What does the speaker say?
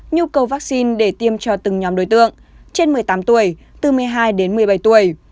nhu cầu vaccine để tiêm cho từng nhóm đối tượng trên một mươi tám tuổi từ một mươi hai đến một mươi bảy tuổi